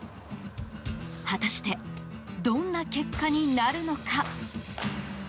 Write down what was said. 果たしてどんな結果になるのか？